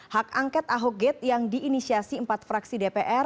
hak angket ahok gate yang diinisiasi empat fraksi dpr